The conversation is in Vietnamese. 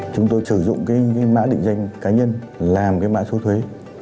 chúng tôi sử dụng mã định danh cá nhân làm mã số thuế